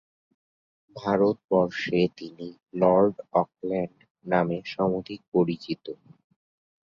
ভারতবর্ষে তিনি Lord Auckland নামে সমধিক পরিচিত।